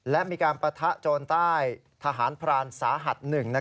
และมีการปะทะโจรใต้ทหารพรานสาหัส๑